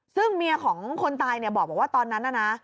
ซึ่งเมียของคนตายเนี่ยบอกว่าตอนนั้นน่ะนะ